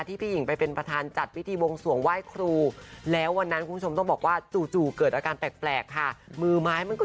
พี่หญิงนะภาพนี้คุณผู้ชมเห็นไหม